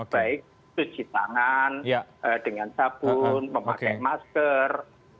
baik cuci tangan dengan sabun memakai masker